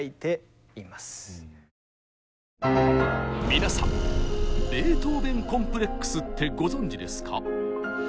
皆さん「ベートーベン・コンプレックス」ってご存じですか？